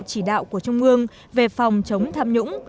chỉ đạo của trung ương về phòng chống tham nhũng